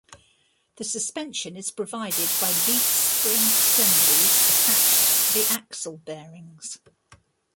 The suspension is provided by leaf spring assemblies attached to the axle bearings.